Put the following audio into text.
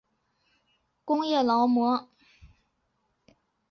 担任武汉市工业劳模。